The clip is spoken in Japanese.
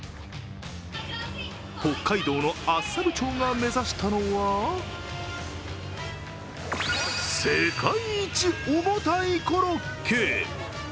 北海道の厚沢部町が目指したのは世界一重たいコロッケ。